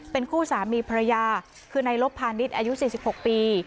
เป็นคู่สามีภรรยาคือนายลบพาณิชย์อายุ๔๖ปี